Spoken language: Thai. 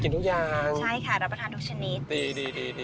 กินทุกอย่างค่ะครับใช่ค่ะรับประทานทุกชนิด